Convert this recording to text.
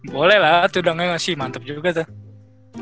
boleh lah tudangnya masih mantep juga